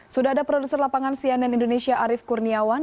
sudah ada produser lapangan cnn indonesia arief kurniawan